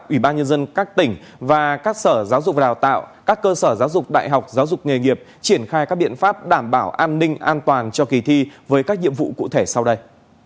ủy ban nhân dân các tỉnh và các sở giáo dục và đào tạo các cơ sở giáo dục đại học giáo dục nghề nghiệp triển khai các biện pháp đảm bảo an ninh an toàn cho kỳ thi với các nhiệm vụ cụ thể sau đây